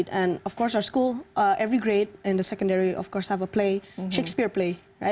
dan tentu saja sekolah kita setiap kelas di sekolah tentunya mempunyai permainan permainan shakespeare